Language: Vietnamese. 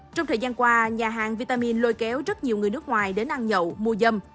trong thời gian qua nhà hàng vitamin lôi kéo rất nhiều người nước ngoài đến ăn nhậu mua dâm